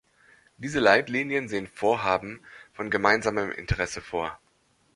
Diese Leitlinien sehen Vorhaben von gemeinsamem Interesse vor.